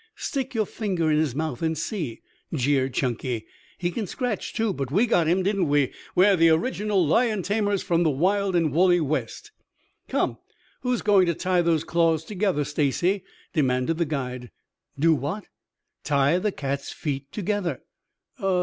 "Stick your finger in his mouth and see?" jeered Chunky. "He can scratch, too. But we got him, didn't we? We're the original lion tamers from the wild and woolly West." "Come, who is going to tie those claws together, Stacy?" demanded the guide. "Do what?" "Tie the cat's feet together."